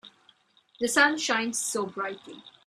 The sun shines so brightly.